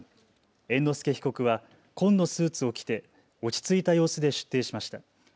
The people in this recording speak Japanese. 猿之助被告は紺のスーツを着て落ち着いた様子で出廷しました。